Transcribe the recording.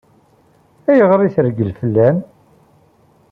Ayɣer i treggel fell-am?